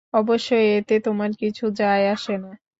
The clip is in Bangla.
অবশ্য এতে তোমার কিছু যায় আসে না।